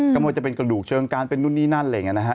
ก็ว่าจะเป็นกระดูกเชิงการเป็นนู่นนี่นั่นอะไรอย่างนี้นะฮะ